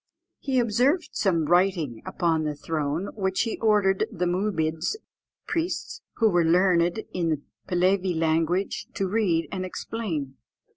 He observed some writing upon the throne, which he ordered the Moobids (priests), who were learned in the Pehlevee language, to read and explain.